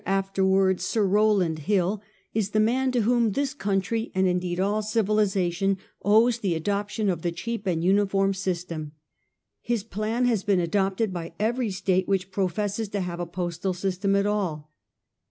(afterwards Sir Rowland) Hill is tlie man to whom this country, and indeed all civilisation, owes the adoption of the cheap and uniform system. His plan has been adopted by every State which professes to have a postal system at all.